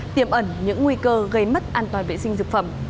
tiềm ẩn những nguy cơ gây mất an toàn vệ sinh thực phẩm